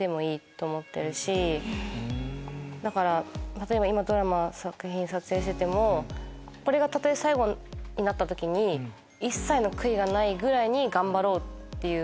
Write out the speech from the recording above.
例えば今ドラマの作品撮影しててもこれが最後になった時に一切の悔いがないぐらいに頑張ろうっていう。